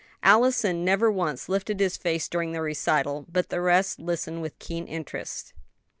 Allison never once lifted his face during the recital, but the rest listened with keen interest.